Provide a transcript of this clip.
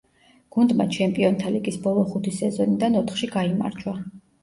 გუნდმა ჩემპიონთა ლიგის ბოლო ხუთი სეზონიდან ოთხში გაიმარჯვა.